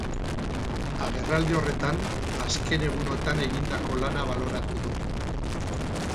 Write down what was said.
Agerraldi horretan azken egunotan egindako lana baloratu du.